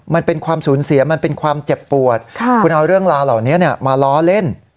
มันเป็นความสูญเสียมันเป็นความเจ็บปวดคุณเอาเรื่องราวเหล่านี้มาล้อเล่น